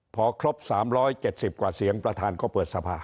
พอครบ๓๗๐กว่าเสียงประธานก็เปิดสภา